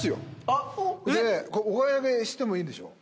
お買い上げしてもいいんでしょ？